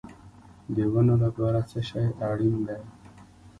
د ونو لپاره څه شی اړین دی؟